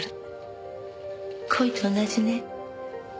恋と同じね。